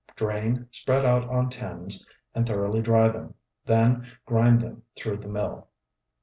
Drain, spread out on tins, and thoroughly dry them; then grind them through the mill.